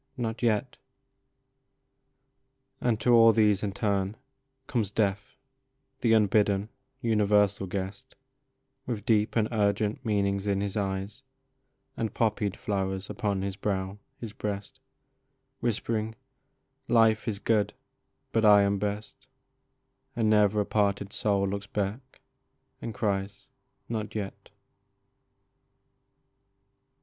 Not yet !" And to all these in turn, Comes Death, the unbidden, universal guest, With deep and urgent meanings in his eyes, And poppied flowers upon his brow, his breast, Whispering, " Life is good, but I am best ;" And never a parted soul looks back and cries, " Not yet